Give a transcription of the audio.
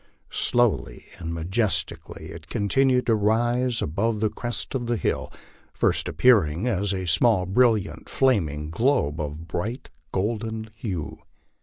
Slow ly and majestically it continued to rise above the crest of the hill, first appear ing as a small brilliant flaming globe of bright golden hue.